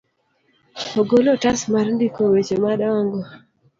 Ogolo otas mar ndiko weche madongo.